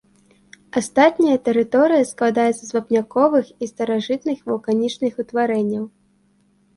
Астатняя тэрыторыя складаецца з вапняковых і старажытных вулканічных утварэнняў.